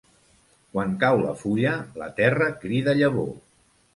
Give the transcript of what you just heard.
Quan cau la fulla la terra crida llavor.